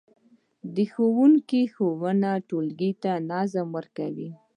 د ښوونکي ښوونې ټولګي ته نظم ورکوي.